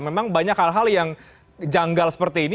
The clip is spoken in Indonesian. memang banyak hal hal yang janggal seperti ini